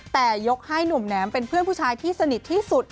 แต่ยกให้หนุ่มแหนมเป็นเพื่อนผู้ชายที่สนิทที่สุด